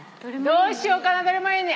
どうしようかなどれもいいね。